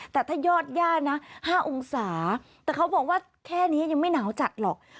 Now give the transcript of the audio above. แต่ถ้ายอดย่านะ๕องศาแต่เขาบอกว่าแค่นี้ยังไม่หนาวจัดหรอก